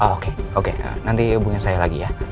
oke oke nanti hubungin saya lagi ya